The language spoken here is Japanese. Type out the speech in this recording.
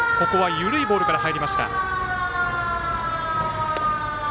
ここは緩いボールから入りました。